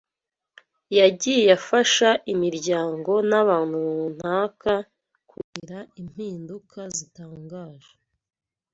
yagiye afasha imiryango n’abantu runaka kugira impinduka zitangaje.